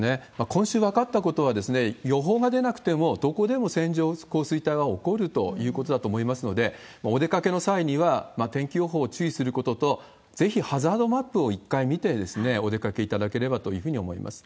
今週、分かったことは、予報が出なくても、どこでも線状降水帯は起こるということだと思いますので、お出かけの際には、天気予報を注意することと、ぜひハザードマップを一回見て、お出かけいただければというふうに思います。